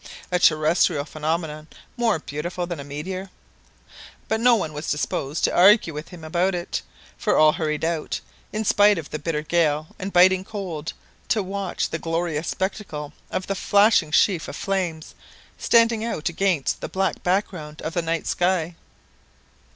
A terrestrial phenomenon more beautiful than a meteor! But no one was disposed to argue with him about it, for all hurried out, in spite of the bitter gale and biting cold, to watch the glorious spectacle of the flashing sheaf of flames standing out against the black background of the night sky.